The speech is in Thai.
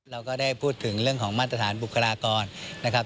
เราก็ได้พูดถึงเรื่องของมาตรฐานบุคลากรนะครับ